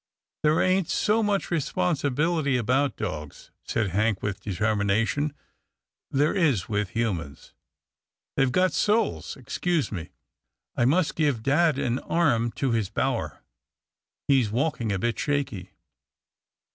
" There ain't so much responsibility about dogs," said Hank with determination. " There is with humans. They've got souls — Excuse me, I must THE TORRAINES 345 give dad an arm to his bower. He's walking a bit shaky."